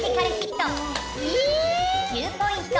９ポイント！